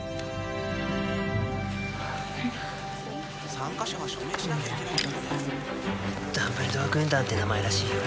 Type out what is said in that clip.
・参加者は署名しなきゃいけないんだって・ダンブルドア軍団って名前らしいよ